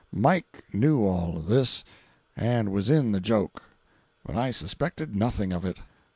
Mike knew all this, and was in the joke, but I suspected nothing of it.